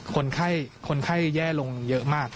คนไข้แย่ลงเยอะมาก